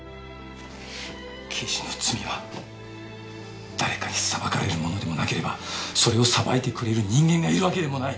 刑事の罪は誰かに裁かれるものでもなければそれを裁いてくれる人間がいるわけでもない！